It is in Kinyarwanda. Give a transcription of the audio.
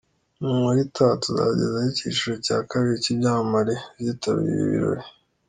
Mu nkuru itaha tuzabagezaho icyiciro cya kabiri cy’ibyamamare bizitabira ibi birori.